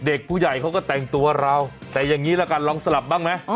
เด็กผู้ใหญ่เขาก็แต่งตัวเราแต่อย่างนี้ละกันลองสลับบ้างไหม